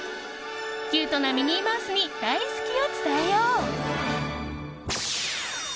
キュートなミニーマウスに大好きを伝えよう！